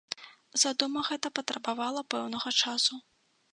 Задума гэта патрабавала пэўнага часу.